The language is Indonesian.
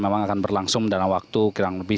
memang akan berlangsung dalam waktu kurang lebih